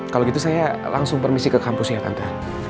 kalo gitu saya langsung permisi ke kampus ya tante